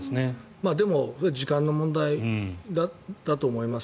でも、時間の問題だったと思います。